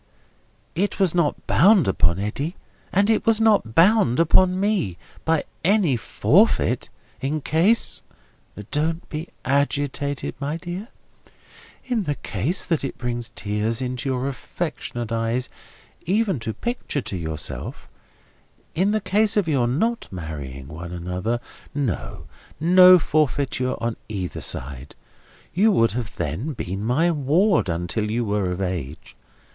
"It was not bound upon Eddy, and it was not bound upon me, by any forfeit, in case—" "Don't be agitated, my dear. In the case that it brings tears into your affectionate eyes even to picture to yourself—in the case of your not marrying one another—no, no forfeiture on either side. You would then have been my ward until you were of age.